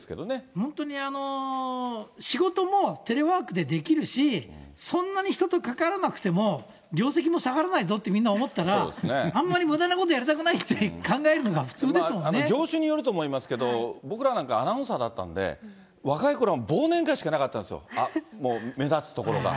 本当に仕事もテレワークでできるし、そんなに人と関わらなくても、業績も下がらないぞってみんな思ったら、あんまりむだなことやりたくないって考えるのが普通ですも業種によると思いますけど、僕らなんかアナウンサーだったんで、若いころは忘年会しかなかったですよ、目立つところが。